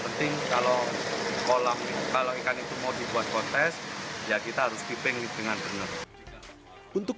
penting kalau kolam nih kalau ikan itu mau dibuat kontes ya kita harus keeping dengan benar untuk